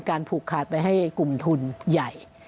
ผูกขาดไปให้กลุ่มทุนใหญ่